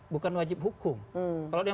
bukan wajib hukum kalau dia